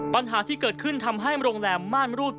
ปัญหาที่เกิดขึ้นทำให้โรงแรมม่านรูด